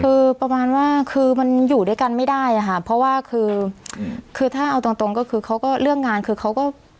คือประมาณว่าคือมันอยู่ด้วยกันไม่ได้อะค่ะเพราะว่าคือคือถ้าเอาตรงตรงก็คือเขาก็เรื่องงานคือเขาก็